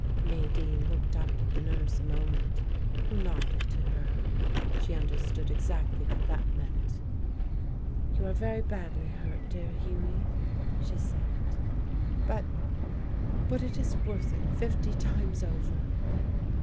Nadine looked up at the nurse a moment, who nodded to her. She understood exactly what that meant. "You are very badly hurt, dear Hughie," she said; "But but it is worth it fifty times over."